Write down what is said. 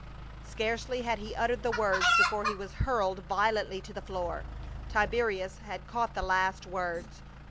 Scarcely had he uttered the words before he was hurled violently to the floor. Tiberius had caught the last words.